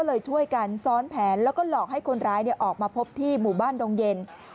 เอาไว้ได้ค่ะคุณ